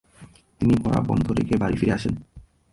তিনি পড়া বন্ধ রেখে বাড়ি ফিরে আসেন।